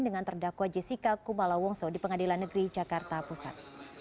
dengan terdakwa jessica kumala wongso di pengadilan negeri jakarta pusat